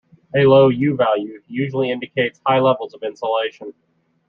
A low U-value usually indicates high levels of insulation.